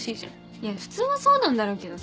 いや普通はそうなんだろうけどさ。